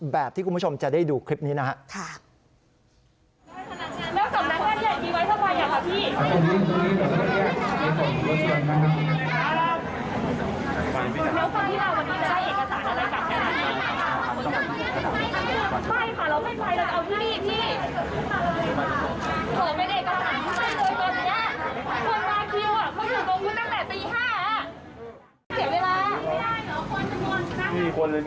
แบบที่คุณผู้ชมจะได้ดูคลิปนี้นะครับ